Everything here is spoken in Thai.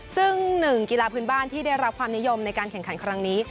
ซึ่งหนึ่งกีฬาพื้นบ้านที่ได้รับความนิยมในการแข่งขันครั้งนี้